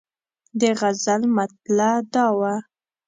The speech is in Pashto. د غزل مطلع دا وه.